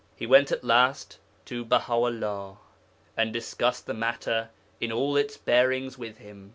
He went at last to Baha 'ullah, and discussed the matter in all its bearings with him.